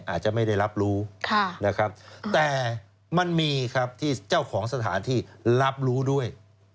อาจจะไม่ได้รับรู้นะครับแต่มันมีครับที่เจ้าของสถานที่รับรู้ด้วย